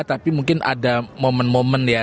tapi mungkin ada momen momen ya